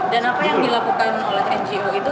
dan apa yang dilakukan oleh ngo itu